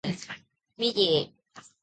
ミギー